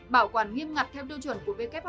bảo quản nghiêm ngặt theo tiêu chuẩn của who